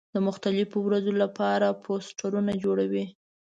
د مختلفو ورځو له پاره پوسټرونه جوړوي.